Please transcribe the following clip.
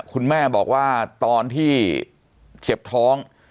คุณแม่บอกว่าตอนที่เจ็บท้อง